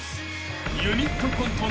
［ユニットコント